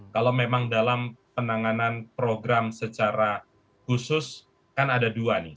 kalau memang dalam penanganan program secara khusus kan ada dua nih